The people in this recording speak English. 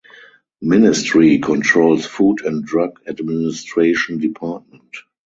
Ministry controls Food and Drug Administration Department.